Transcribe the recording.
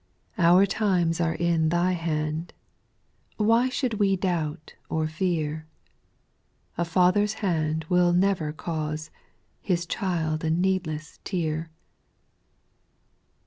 ' 3.'' Our times are in Thy hand ; Why should we doubt or fear ? A father's hand will never cause His child a needless tear.